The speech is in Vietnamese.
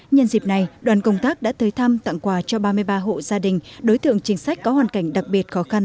nhân dịp này đoàn công tác đã tới thăm tặng quà cho ba mươi ba hộ gia đình đối tượng chính sách có hoàn cảnh đặc biệt khó khăn